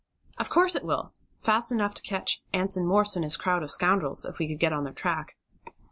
"Of course it will! Fast enough to catch Anson Morse and his crowd of scoundrels if we could get on their track."